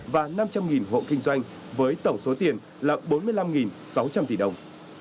và năm trăm linh hộ kinh doanh với tổng số tiền là bốn mươi năm sáu trăm linh tỷ đồng